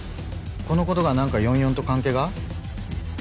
この事がなんか４４と関係が？